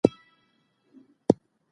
حق د ټولنیز عدالت بنسټ دی.